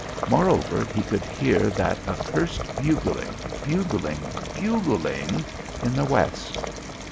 Moreover, he could hear that accursed bugling, bugling, bugling in the west.